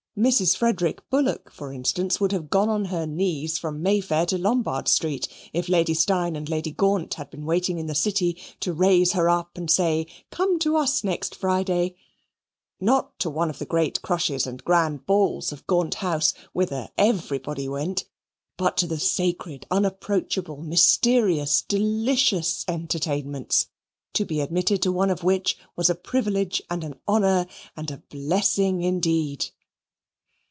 Mrs. Frederick Bullock, for instance, would have gone on her knees from May Fair to Lombard Street, if Lady Steyne and Lady Gaunt had been waiting in the City to raise her up and say, "Come to us next Friday" not to one of the great crushes and grand balls of Gaunt House, whither everybody went, but to the sacred, unapproachable, mysterious, delicious entertainments, to be admitted to one of which was a privilege, and an honour, and a blessing indeed.